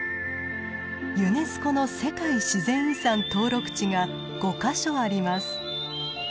ユネスコの世界自然遺産登録地が５か所あります。